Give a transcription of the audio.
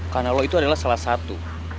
karena lo itu adalah salah satu